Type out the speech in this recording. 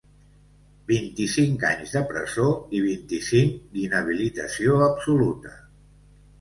Vint-i-cinc anys de presó i vint-i-cinc d’inhabilitació absoluta.